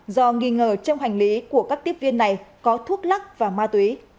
do nghi ngờ trong hành lý của các tiếp viên này có thuốc lắc và ma túy